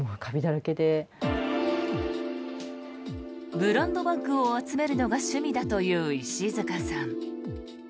ブランドバッグを集めるのが趣味だという石塚さん。